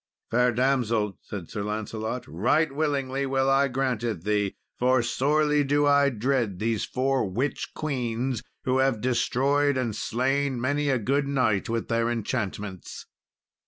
"Fair damsel," said Sir Lancelot, "right willingly will I grant it thee, for sorely do I dread these four witch queens, who have destroyed and slain many a good knight with their enchantments."